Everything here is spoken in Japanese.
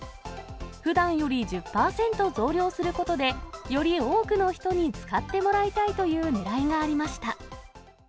ふだんより１０％増量することで、より多くの人に使ってもらいたいというねらいがありました。